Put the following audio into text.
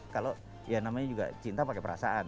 kalo ya namanya juga cinta pake perasaan